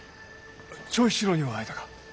長七郎には会えたか？